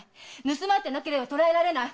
盗まれてなければ捕らえられない！